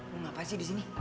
lo ngapain sih disini